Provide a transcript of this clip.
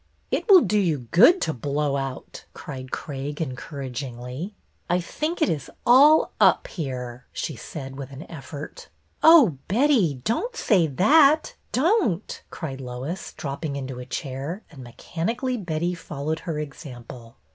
" It will do you good to blow out," cried Craig, encouragingly. " I think it is all up here," she said, with an effort. " Oh, Betty, don't say that, don't !" cried Lois, dropping into a chair, and mechanically Betty followed her example.